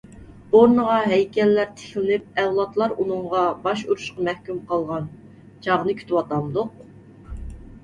ئورنىغا ھەيكەللەر تىكلىنىپ ئەۋلاتلار ئۇنىڭغا باش ئۇرۇشقا مەھكۇم قالغان چاغنى كۈتىۋاتامدۇق؟!